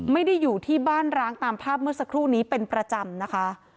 ไม่ได้อยู่ที่บ้านร้างตามภาพเมื่อสักครู่นี้เป็นประจำนะคะ